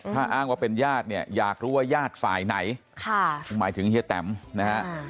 ถ้าอ้างว่าเป็นญาติเนี่ยอยากรู้ว่าญาติฝ่ายไหนหมายถึงเฮียแตมนะฮะ